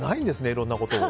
いろんなことを。